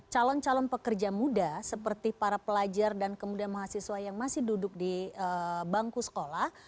calon calon pekerja muda seperti para pelajar dan kemudian mahasiswa yang masih duduk di bangku sekolah